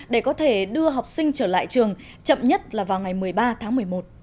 để có thể đưa học sinh trở lại trường chậm nhất là vào ngày một mươi ba tháng một mươi một